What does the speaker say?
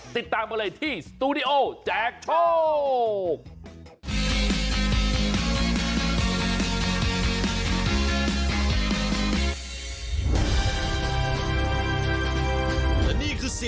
ติดตามกันเลยที่สตูดิโอแจกโชค